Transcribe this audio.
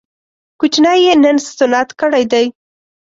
کوچنی يې نن سنت کړی دی